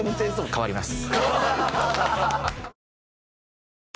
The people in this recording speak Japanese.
変わります。